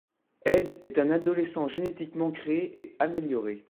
Ed est un adolescent génétiquement créé et amélioré.